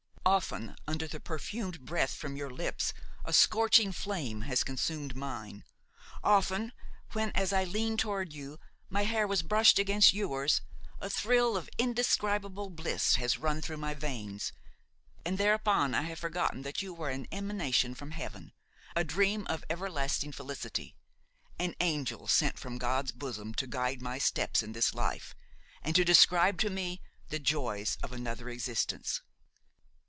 Often, under the perfumed breath from your lips, a scorching flame has consumed mine; often when, as I leaned toward you, my hair has brushed against yours, a thrill of indescribable bliss has run through my veins, and thereupon I have forgotten that you were an emanation from Heaven, a dream of everlasting felicity, an angel sent from God's bosom to guide my steps in this life and to describe to me the joys of another existence.